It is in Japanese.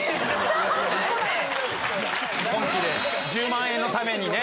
１０万円のためにね。